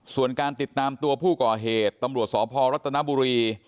ส่วนการติดตามตัวผู้ก่อเหตุตำรวจสพรัฐนบุรี